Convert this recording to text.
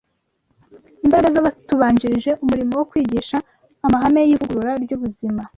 Imbaraga z’Abatubanjirije Umurimo wo Kwigisha Amahame y’Ivugurura ry’Ubuzima